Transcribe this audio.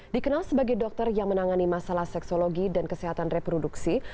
dikenal sebagai dokter yang menangani masalah seksologi dan kesehatan reproduksi